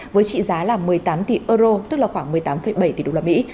với trị giá là một mươi tám tỷ euro tức là khoảng một mươi tám bảy tỷ đô la mỹ